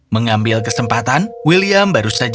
mengambil kesempatan william baru saja